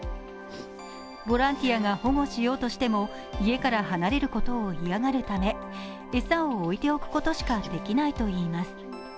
ボランティアが保護しようとしても家から離れることを嫌がるため餌を置いておくことしかできないといいます。